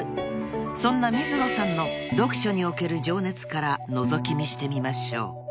［そんな水野さんの読書における情熱からのぞき見してみましょう］